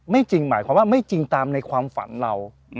จริงหมายความว่าไม่จริงตามในความฝันเรา